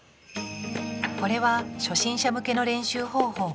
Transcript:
これは初心者向けの練習方法。